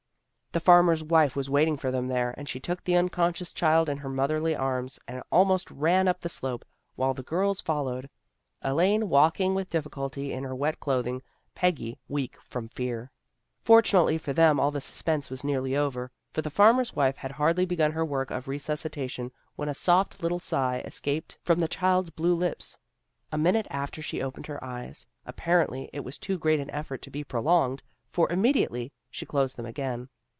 The farmer's wife was waiting for them there, and she took the unconscious child in her motherly arms, and almost, ran up the slope, while the girls followed, Elaine walking with difficulty in her wet clothing, Peggy weak from fear. Fortunately for them all the suspense was nearly over. For the farmer's wife had hardly begun her work of resuscitation when a soft little sigh escaped from the child's blue lips. A minute after she opened her eyes. Appar ently it was too great an effort to be prolonged, for immediately she closed them again.